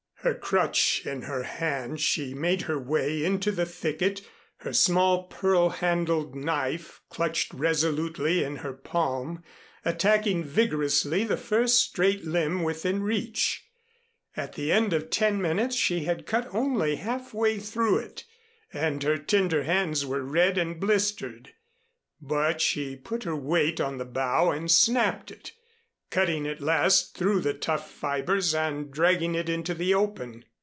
Her crutch in her hand she made her way into the thicket, her small pearl handled knife clutched resolutely in her palm, attacking vigorously the first straight limb within reach. At the end of ten minutes she had cut only half way through it, and her tender hands were red and blistered. But she put her weight on the bough and snapped it, cutting at last through the tough fibers and dragging it into the open.